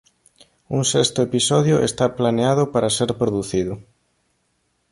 Un sexto episodio está planeado para ser producido.